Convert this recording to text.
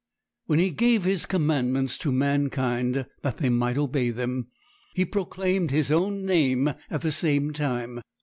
When He gave His commandments to mankind that they might obey them, He proclaimed His own name at the same time.